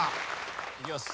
いきます。